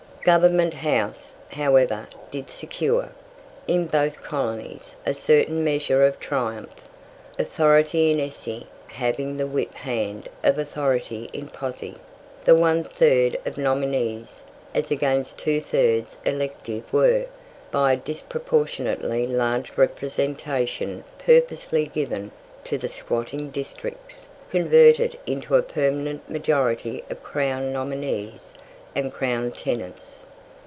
"Government House," however, did secure, in both colonies, a certain measure of triumph. Authority in esse having the whip hand of authority in posse, the one third of nominees as against two thirds elective were, by a disproportionately large representation purposely given to the squatting districts, converted into a permanent majority of Crown nominees and Crown tenants.